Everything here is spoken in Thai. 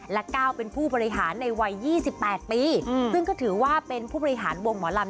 และก้าวเป็นผู้บริหารในวัย๒๘ปีซึ่งก็ถือว่าเป็นผู้บริหารวงหมอลำ